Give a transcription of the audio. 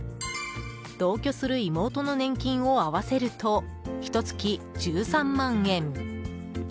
同居する妹の年金を合わせるとひと月１３万円。